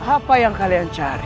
apa yang kalian cari